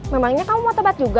memangnya kamu mau tebat juga